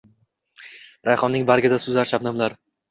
Rayhonning bargida suzar shabnamlar.